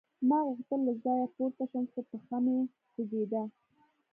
ما غوښتل له ځایه پورته شم خو پښه مې خوږېده